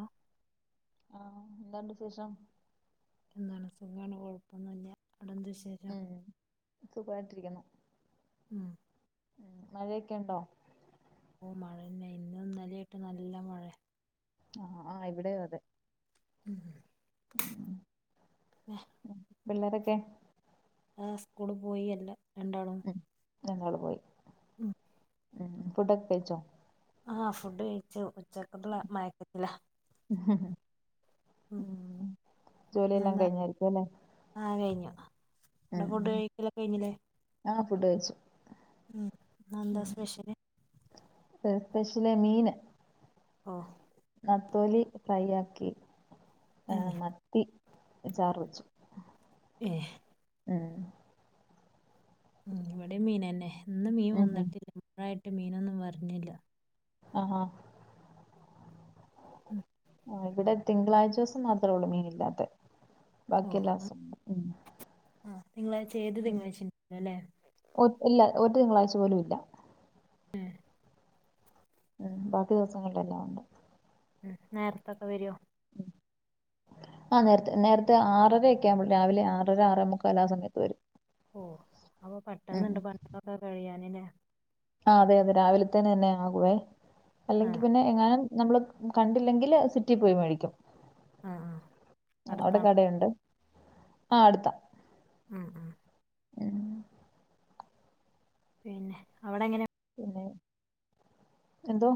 ആ ആ എന്താണ്ട് വിശേഷം എന്താണ് സുഖാണ് കുഴപ്പൊന്നുല ഉം സുഖായിട്ടിരിക്കുന്നു ഉം ഉം മഴയൊക്കെ ഇണ്ടോ മഴനെ ഇന്നുംന്നലെ ആയിട്ട് നല്ല മഴയ ആഹ ആഹ് ഇവിടെ അതെ ഉം ഉ ഉം പിള്ളേരൊക്കെ ആ സ്കൂള് പോയി അല്ല രണ്ടാളും [unintelligible] പോയി ഉമ് ഉം ഫടൊക്കെ കയിച്ചോ ആ ഫുഡ് കഴിച്ചു ഉച്ചക്കത്തുള്ള മയക്കത്തില ഉം ജോലില്ലാം ഇന്നെന്താ കഴിഞ്ഞായിരിക്കും അല്ലേ ആ കഴിഞ്ഞു അവിടെ ഫുഡ് കഴിക്കല കഴിഞ്ഞിലെ ഫുഡ്‌ കഴിച്ചു ഉം ഇന്നെന്താ സ്പെഷ്യലി എസ്പെഷ്യലി മീന് ഓ നത്തോലി ഫ്രൈ ആക്കി ഏ ഉം മത്തി ചാർ വെച്ചു ഏഹ് ഉം ഉ ഇവിടെ മീനന്നെ ഇും മീൻ ഉം ഉം വന്നിട്ടില്ല മഴായിട്ട് മീനൊന്നും വർണില്ല ആഹാ ഉം ആ ഇവിടെ തിങ്കളാഴ്ച ദിവസം മാത്രേ ഉള്ളൂ മീൻ ഇല്ലാത്ത ഓ ബാക്കി എല്ലാ ദിവസം ഉണ്ട് നിങ്ങളാഴ്ച ഏത് ഉം തിങ്കളാഴ്ല്ലോ ല്ലേ ഒ ഇല്ല ഒരു തിങ്കളാഴ്ച പോലും ഇല്ല ഉ ബാക്കി ദിവസങ്ങളില എല്ലാം ഉണ്ട് ഉം നേരത്തൊക്കെ വരുോ ആ നേരത്തെ നേരത്തെ ആറര ഒക്കെ ആവുമ്പോൾ രാവിലെ ആറര ആറ മുക്കല്ല ആ സമയത്ത് വരും ഓ അപ്പൊ ഉം പെട്ടെന്നണ്ട് പണ്ടൊക്കെ കഴിയാനില്ലേ ആ അതെ അതെ രാവിലെത്തേന്ന തന്നെ ആകുവേ ആ അല്ലെങ്കിൽ പിന്നെ എങ്ങാനും നമ്മള് കണ്ടില്ലെങ്കില് സിറ്റി പോയി മേടിക്കും ആ ആ അടുത്താണ് ആടുത്ത ഉം ഉ ഉഏ പിന്നെ അവിടെങ്ങനെ എന്തോ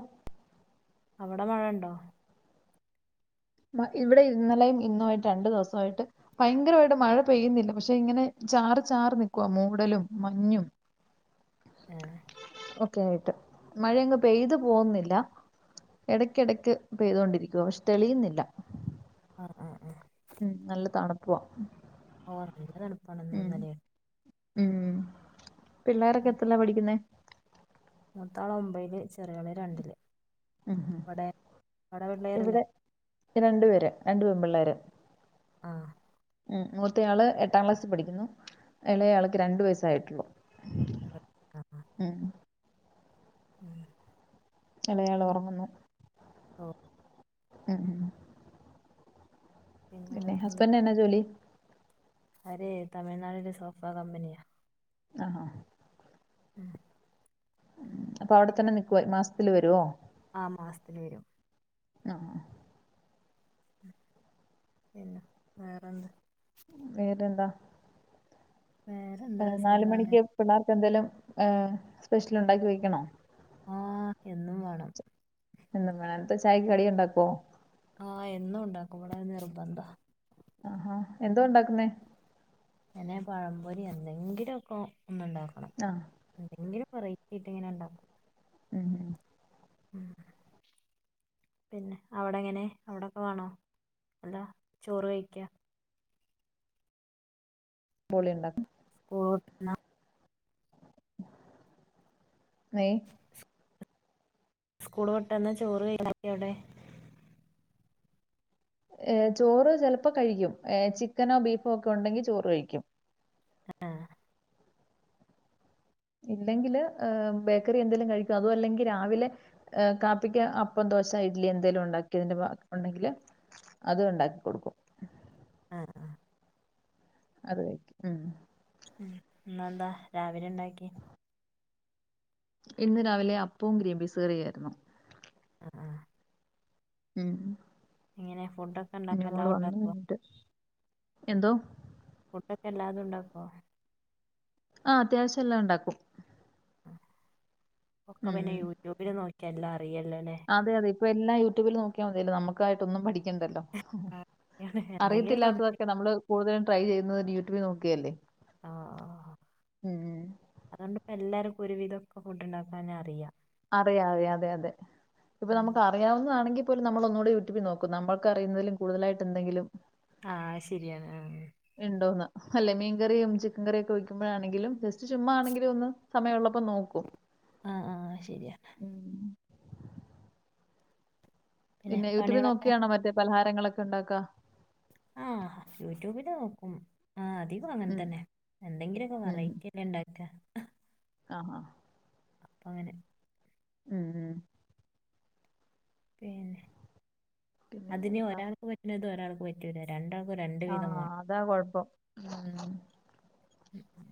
അവിടെ മഴ ഇണ്ടോ ഇവിടെ ഇന്നലെയും ഇന്നുമായിട്ട് രണ്ടു ദിവസമായിട്ട് ഭയങ്കരമായിട്ട് മഴ പെയ്യുന്നില്ല പക്ഷെ ഇങ്ങനെ ചാറ് ചാറ് നിക്കുവാ മൂടലും മഞ്ഞും ഏ ഒക്കെ ആയിട്ട് മഴയങ് പെയ്തു പോകുന്നില്ല ഇടക്കിടക്ക് പെയ്തൊണ്ടിരിക്കുവ പക്ഷെ തെളിയുന്നില്ല ആ ആ ആ ഉം നല്ല തണുപ്പ പോവാ ഓ നല്ല തണപ്പാണന്ന ഒന്നല്ലേ ഉം പിള്ളോരൊക്കെ എത്തല്ലാ പഠിക്കുന്ന എത്താള ഒമ്പൈയില് ചെറിയളി രണ്ടില് ഉം ഉം അവിടെ അവിടെ പിള്ളേരല്ലേ ഇവിടെ രണ്ടു പേര് രണ്ടു പെൺപിള്ളേർ ആ ഉം മൂത്തയാള് എട്ടാം ക്ലാസ്സിൽ പഠിക്കുന്നു ഇളയയാൾക്ക് രണ്ടു വയസായിട്ടുള്ളു അതെ ആ ആ ഉം ഉം. ഇളയാള് ഉം ഒറങ്ങുന്നു. ഓ ഉം പിന്നെ ഹസ്ബെൻഡ് എന്നാ ജോലി അരേ തമിഴ്നാടിലെ സോഫാ കമ്പനിയാ ആ ഹ. ഉം. അപ്പൊ അവിടെ തന്നെ നിക്കുവ, മാസത്തില് വരുവോ? ആ മാസത്ത്ന് വെരും ആ ആ. പിന്ന, വേറെന്താ? വേറെ എന്താ വേറെന്താ നാല് സുഖാണ് മണിക്ക് പിള്ളേർക്ക് എന്തേലും ഏ സ്പെഷ്യൽ ഒണ്ടാക്കി വയ്ക്കണോ ന്നും വാണം. ചായയ്ക്ക് കടിയുണ്ടാക്ക്വോ ആ എന്നുണ്ടാക്കും, ഇവടത് നിർബന്ധാ. ആഹാ എന്തോ ഒണ്ടാക്കുന്നേ? ങ്ങനെ പഴംപൊരി എന്തെങ്കിലും ഒക്ക ഒന്ന്ണ്ടാ ആ. എങ്കിലും വെറൈറ്റി ആയ്ട്ട്ങ്ങനെ ഇണ്ടാക്കും. ഉം ഉം ഉം. പിന്നെ അവിടെങ്ങനെ അവിടൊക്കെ വാണോ, അതോ ചോറ് കഴിക്കോ പൊളിണ്ട [unintelligible] ന്നേ സ്കൂള് വെട്ടന്ന് ചോറ് ക [unintelligible] അവ്ടെ? ഏ ചോറ് ചെലപ്പോ കഴിക്കും, ഏ ചിക്കനോ ബീഫോ ഒക്കെണ്ടെങ്കീ ചോറ് കഴിക്കും. അ ആ ഇല്ലെങ്കില് ബേക്കറി എന്തെലും കഴിക്കും അതു അല്ലെങ്കി രാവിലെ കാപ്പിക്ക് അപ്പന്ത ദോശ ഇഡ്ലി എന്തെലുണ്ടാക്കിതിന്റെ ബാ ഒണ്ടെങ്കില് അതു ഒണ്ടാക്കി കൊടുക്കും. ആ ആ അത് വെയ്ക്കു ഉം ഉം ന്നെന്താ രാവിലെണ്ടാക്ക്യേ ഇന്ന് രാവിലെ അപ്പവും ഗ്രീൻപീസുകറിയായിരുന്നു. അ ആ ഉം എങ്ങനെ ഫുഡൊക്കെ ഉണ്ടാക്കാൻ ഇനിങ്ങോട് എല്ലാം വന്ന്‌ ഉണ്ടാക്കുമോ കഞ്ഞിട്ട് എന്തോ ഫുഡ്ഡ്ഒക്കെ എല്ലാതുണ്ടാക്കോ ആ അത്യാവശ്യ എല്ലാണ്ടാക്കും ആ ഒക്കെ പിന്നെ യൂറ്റൂബില് നോക്കിയല്ല അറിയല്ലലെ എല്ല യൂറ്റുബില് നോക്കിയമതിയല്ലോ നമ്മക്കായിട്ട് ഒന്നും പടി ക്കണ്ടല്ലോ ആ അറിയാണ്. എന്തെങ്കിലും സംശയം അറിയത്തില്ലാത്തതൊക്കെ നമ്മള് കൂടുത ട്രൈ ചെയ്യുന്നത് ന്നെ യൂട്യൂബ് നോക്കിയല്ലേ ആ ഉം അതോണ്ട്പ്പ എല്ലരും ഒരുവിതൊക്കെ ഫുഡ്ണ്ടാക്കാനറിയ. അറിയ അതെ അതെ അതെ ഇപ്പൊ ഉം. നമ്മക്ക് അറിയാവുന്നതാണെങ്കി പ്പോലു നമ്മളൊന്നോടി യൂട്യൂബി നോക്കും നമ്മൾക്കറിയ്ന്നതിലും കൂടുതലായിട്ടെന്തെങ്കിലും ആ ശെരി ആണ് ആ ആ ഇണ്ടോന്ന് അല്ലേ മീൻ കറിയും ചിക്കൻ കറിയൊക്കെ വക്കുമ്പഴാണെങ്കിലും ജസ്റ്റ് ചുമ്മാ ആണെങ്കിലു ഒന്ന് സമയൊള്ള പ്പൊ നോക്കും ആ ആ ശരിയാണ് ഉം പിന്നെ യൂറ്റുബിൽ നോക്കിയാണോ മറ്റേ പലഹാരങ്ങളൊക്കെണ്ടാക്കാ ആ യൂറ്റൂബില് നോക്കും ആ അധികു ഉം അങ്ങൻതന്നെ എന്തെങ്കിലുക്കെ വെറൈറ്റില്ലെണ്ടാക്കാ ആഹ ആ അപ്പൊ അങ്ങനെ ഉം ഉ പിന്നെ പിന്നെ അതിന് എന്താ ഒരാൾക്ക് പറ്റ്ണത് ഒരാൾക്ക് പറ്റുല രണ്ടാൾ ആ അതാ കൊഴപ്പം ഉം ഉം, ഉം.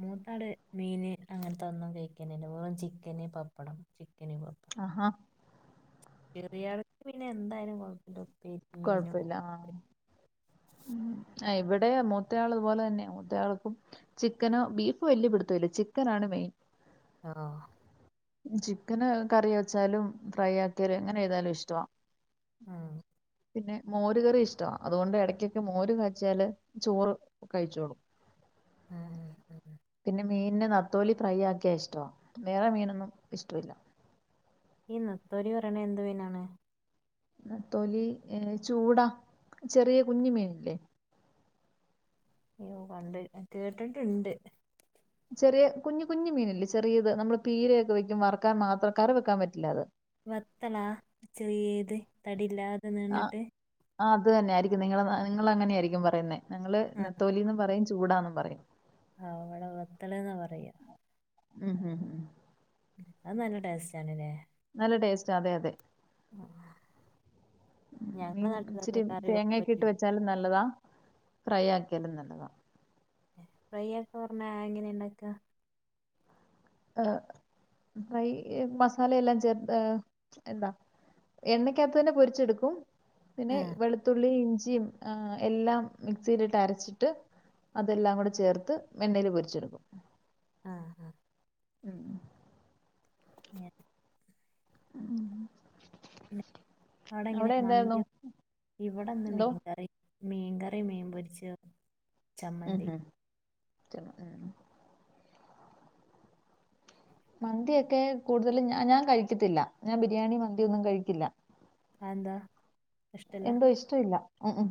മൂത്താള് മീന് അങ്ങൻത്തെ ഒന്നും കഴിക്കിനില്ല ഓള് ചിക്കന് പപ്പടം ചിക്കന് അഹാ ചെറിയാൾക്ക് പിന്നെ എന്തയാലും കൊഴപ്പല്ല കൊഴപ്പല്ല ആ ഉം ഇവിടെ മൂത്തയാള്തുപോലെ തന്നെ മൂത്തയാൾക്കും ചിക്കനോ ബീഫ് വല്ല്യ പിടുത്തല്ല ചിക്കനാണ് മെയി ഇമ് ആ ചിക്കന് കറി വെച്ചാലും ഫ്രൈ ആക്കിയലും എങ്ങനെഎയ്താലും ഇഷ്ടവാ ആ പിന്നെ മോര് കറി ഇഷ്ട അതുകൊണ്ട് എടക്കൊക്കെ മോര് കാച്ചാല് ചോറ് കഴിച്ചോളു ഉം, ഉം, ഉം. പിന്നെ മീന്നെ നത്തോലി ഫ്രൈ ആക്കിയാ ഇഷ്ടോ വേറെ മീനൊന്നും ഇഷ്ടവില്ല ഈ നത്തോലി പറയണ എന്ത് മീനാണ് നത്തോലി ഏ ചൂടാ ചെറിയ കുഞ്മീന്ല്ലേ അയ്യോ കണ്ട് ഞ കേട്ടിട്ട്ണ്ട് ചെറിയ കുഞ്ഞ് കുഞ് മീന്ല്ലേ ചെറിയത് നമ്മള് പീരയൊക്കെവെക്കും വറക്കാൻമാത്രം കറിവെക്കാൻ പറ്റില്ലഅത് വെത്തലാ ചെറീത് തടില്ലാതെ നീണ്ട്ട്ട് ആ അത് തന്നെ ആയിരിക്കും നിങ്ങള നാ നിങ്ങളങ്ങനെയിരിക്കും പറയുന്നേ ഞങ്ങള് നത്തോലി പറയും ചൂടാന്നും പറയും ആ അവിടെ വത്തൽന്നാ പറയാ, ഉം ഉം ഉ അത് നല്ല ടേസ്റ്റ് ല്ലേ? നല്ല ടേസ്റ്റ് അതെ അതെ ഞങ്ങളെ മീൻ നാട്ടിൽ അത് ഇച്ചിരി കറി വെക്കും തേങ്ങയൊക്കെ ഇട്ട് പറ്റും വെച്ചാലും നല്ലതാ, ഫ്രൈ ആക്കിയാലും നല്ലത ഫ്രൈ ആക്കെ പറഞ്ഞാ എങ്ങനെയ ഇണ്ടക്കാ? ആ ഫ്രൈ മസാലയെല്ലാം ചേർ എന്താ എണ്ണക്കകത്ത തന്നെ പൊരിച്ചെടുക്കും പിന്നെ ആ വെളുത്തുള്ളി ഇഞ്ചി, എല്ലാം മിക്സിയിലിട്ട് അരച്ചിട്ട്, അതെല്ലാം കൂടെ ചേർത്ത് എണ്ണൽ പൊരിച്ചെടുക്കും. ആ ആ ഉം ഞാൻ ഉം അവിടെങ്ങനെ മന്തി ഇവിടെന്ന് എന്തോ മീൻകറി മീൻകറി മീൻ പൊരിച്ച് ചമ്മന്തി, ച ഉ മന്തി ഒക്കെ കൂടുതലും ഞ ഞാൻ കഴിക്കത്തില്ല ഞാൻ ബിരിയാണി മന്തി ഒന്നും കഴിക്കില്ല, ആന്താ ഇഷ്ടെല്ലാ എന്തോ ഇഷ്ടമില്ല ഉം ഉ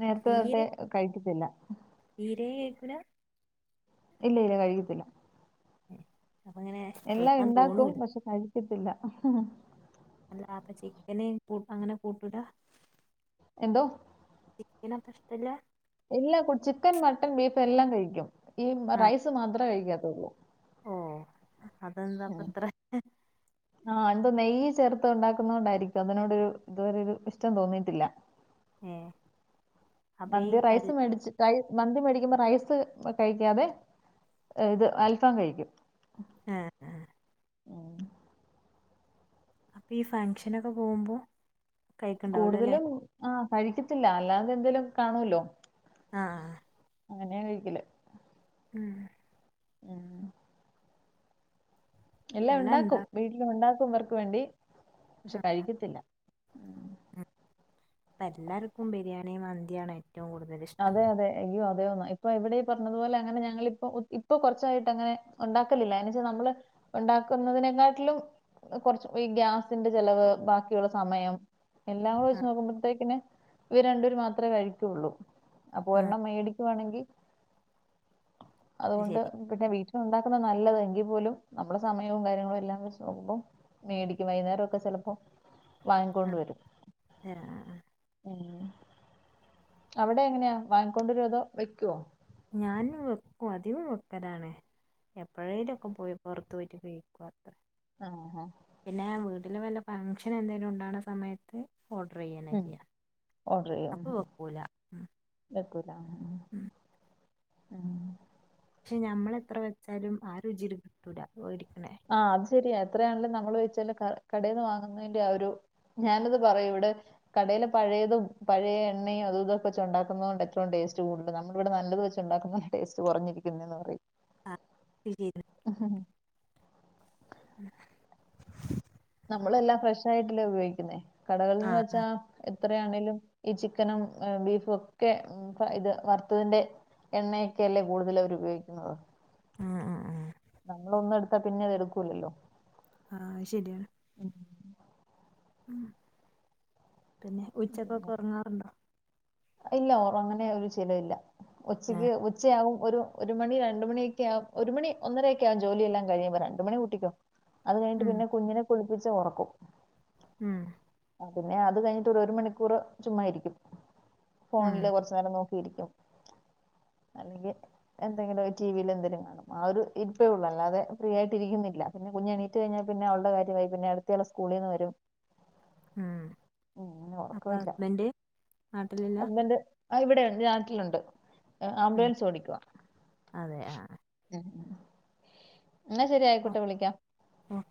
നേരത്തെ തൊട്ടേ കഴറ്റിത്തില്ല തീരേ കഴിക്കൂല്ല? ഇല്ല ഇല്ല കഴിക്കത്തില്ല. ഉം എല്ലാം ഉണ്ടാക്കും പക്ഷെ കഴിക്കത്തില്ല അല്ല അപ്പ ചിക്കന് കൂട്ട അങ്ങനെ കൂട്ടൂലാ എന്തോ നാ കഷ്ടല്ല എല്ലാ ചിക്കൻ മട്ടൻ ബീഫ് എല്ലാം കഴിക്കും ഈ ആ റൈസ് മാത്രമേ കഴിക്കാത്തുള്ളൂ അതെന്താ ഉം. അത്ര ആ എന്തോ നെയ്യ് ചേർത്ത് ഉണ്ടാക്കുന്ന കൊണ്ടായിരിക്കും അതിനോടു ഇതുവരെ ഒരു ഇഷ്ടം തോന്നീയിട്ടില്ല എ മന്തി റൈസ് മേടിച്ചിട്ടായി മന്തി മേടിക്കുമ്പോ റൈസ് കഴിക്കാതെ ഇത് അൽഫാം കഴിക്കും ആ ആ. ആ അപ്പൊ ഈ ഫങ്ഷനൊക്കെ പോവുമ്പോ കൂടുതലും ആ കഴിക്കത്തില്ല അല്ലാതെ എന്തേലും കാണൂല്ലോ ആ ആ അങ്ങനെയ കഴിക്കല ഉം ആ എല്ലാ എല്ലാം ഉണ്ടാക്കും ഇണ്ടാ വീട്ടില് ഉണ്ടാക്കും ഇവർക്ക് വേണ്ടി പക്ഷെ കഴിക്കത്തില്ല ഇപ്പ എല്ലാർക്കും ബിരിയാണിയും മന്തിയാണ് ഏറ്റവും കൂടുതൽ ഇഷ്ടം അതന്ന ഇപ്പൊ ഇവിടെ പറഞ്ഞതു പോലെ അങ്ങനെഞങ്ങളിപ്പോ ഇപ്പൊ കുറച്ചായിട്ട് അങ്ങനെ ഉണ്ടാക്കലില്ല എന്നച്ച നമ്മള് ഉണ്ടാക്കുന്നതിനെക്കാട്ടിലും കൊറച്ച് ഈ ഗ്യാസിന്റെ ചെലവ് ബാക്കിയുള്ള സമയം എല്ലാം കൂടെ വെച്ച് ആഹ് നോക്കുമ്പോഴത്തേക്കിന് ഇവ രണ്ടുപേര് മാത്രമേ കഴിക്കുള്ളൂ അപ്പൊ ആഹ് ഒരെണ്ണം മേടിക്കുവാണമെങ്കിൽ അത് അതുകൊണ്ട് ശരി പിന്നെ വീട്ടിൽ ഉണ്ടാക്കുന്ന നല്ലത എങ്കിൽ പോലും നമ്മളെ സമയവും കാര്യങ്ങളും എല്ലാം വച്ച് നോക്കുമ്പോ മേടിക്ക വൈകുന്നേരെ മൊക്കെ ചില പ്പോ വാങ്ങിക്കൊണ്ട് ആഹ് വരും ആഹ് അവിടെ എങ്ങനെയാ വാങ്ങിക്കൊണ്ടരു അതോ വെക്കുവോ ഞാൻ വെക്കും അധികവും വെക്കലാണ് എപ്പോഴേലും ഒക്കെ പോയി പുറത്ത് പോയിട്ടി കഴിക്കുവാൻ ആ ആ വീട്ടിൽ വല്ല ഫംഗ്ഷൻ എന്തെങ്കിലും ഉണ്ടാകുന്ന സമയത്ത് ഓർഡർ ചെയ്യുകന്നെ ചെയ്യാം ചെയ്യാം വെക്കൂല ആ ഉം ആ ആ പക്ഷെ ഞമ്മളെത്ര വെച്ചാലും ആ രുചി കിട്ടൂല ഓടി ആ അത് ശരിയാ എത്രയാണെങ്കിലും നമ്മൾ വെച്ചാല് കടയിൽന്ന് വാങ്ങുന്നതിന്റെ ആ ഒരു ഞാനത് പറയും ഇവിടെ കടയില് പഴയതും പഴയ എണ്ണയും അതും ഇതൊക്കെ വച്ച് ഉണ്ടാക്കുന്നത് കൊണ്ട് ഏറ്റവും ടേസ്റ്റ് കൂടുതൽ നമ്മള ഇവിടെ നല്ലത് വെച്ച് ഉണ്ടാക്കുന്ന ടേസ് കുറഞ്ഞിരിക്കുന്ന എന്ന് പറയും ആ ഉം. ഉ നമ്മളെല്ലാം ഫ്രഷ് ആയിട്ടില്ലേ ഉപയോഗിക്കുന്നേ ആ കടകളന്ന് വെച്ചാ എത്രയാണെങ്കലും ഈ ചിക്കനും ബീഫും ഒക്കെ ഇത് വറുത്തതിന്റെ എണ്ണയൊക്കെല്ലേ കൂടുതൽ അവർ ഉപയോഗിക്കുന്നത് ഉം ഉം ഉം നമ്മള ഒന്നും എടുത്താ പിന്നെ അത് എടുക്കൂല്ലല്ലോ ആ ശരിയാണ് ഉം പിന്നെ ഉച്ചക്കൊക്കെ ഉറങ്ങാറുണ്ടോ ഇല്ല അങ്ങനെ ഒരു ചില ഇല്ല ആ ഉച്ചയ്ക്ക് ഉച്ചയാകും ഒരു ഒരു മണി രണ്ടു മണിയൊക്കെ ആ ഒരു മണി ഒന്നര ഒക്കെ ആകും ജോലിയെല്ലാം കഴിയുമ്പോ രണ്ട് മണി കൂട്ടിക്കോ അത് കഴിഞ്ഞിട്ട് ഉം പിന്നെ കുഞ്ഞിനെ കുളിപ്പിച്ച് ഉറക്കും ഉം പിന്നെ അത് കഴിഞ്ഞിട്ട് ഒരു മണിക്കൂറ് ചുമ ഇരിക്കും ഉം ഫോണില് കുറച്ചു നേരം നോ ശരിക്കും അല്ലെങ്കിൽ എന്തെങ്കിലും ടിവിയിൽ എന്തേലും കാണും ആ ഒരു ഇരിപ്പേ ഉള്ളൂ അല്ലാതെ ഫ്രീ ആയിട്ട് ഇരിക്കുന്നില്ല പിന്നെ കുഞ്ഞ് എണീറ്റ് കഴിഞ്ഞാൽ പിന്നെ അവളുടെ കാര്യമായി പിന്നെ അടുത്ത ആള്സ്കൂളിന്ന് വരും ഉം അപ്പ ഹസ്ബന്റ് ഹസ്ബന്റ് അ ഇവിടെണ്ട് നാട്ടിലുണ്ട് ഉം ആംബുലൻസ് ഓടിക്കുവാ അതെ ആ എന്നാ ശരി ഓ ആയിക്കോട്ടെ വിളിക്കാം ഓ